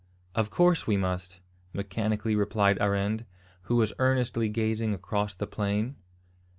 "Of course we must," mechanically replied Arend, who was earnestly gazing across the plain.